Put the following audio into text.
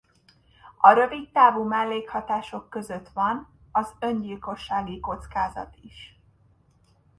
A rövidtávú mellékhatások között van az öngyilkossági kockázat is.